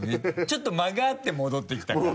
ちょっと間があって戻ってきたから。